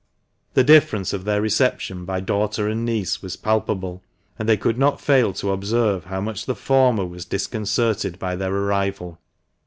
The difference of their reception by daughter and niece was palpable, and they could not fail to observe how much the former was disconcerted by their arrival.